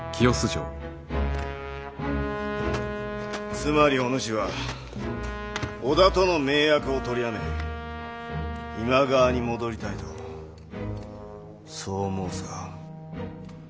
つまりお主は織田との盟約を取りやめ今川に戻りたいとそう申すか。